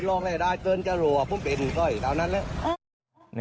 ลองให้ได้เจินจะหลวงผมเป็นก็อีกด้านนั้นนะ